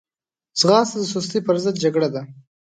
ځغاسته د سستي پر ضد جګړه ده